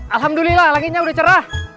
alhamdulillah langitnya udah cerah